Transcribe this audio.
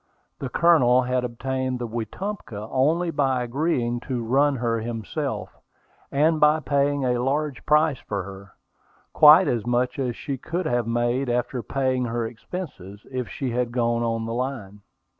The Colonel had obtained the Wetumpka only by agreeing to run her himself, and by paying a large price for her, quite as much as she could have made after paying her expenses, if she had gone on the line.